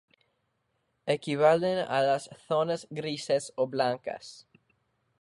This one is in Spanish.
Equivalen a las zonas grises o blancas.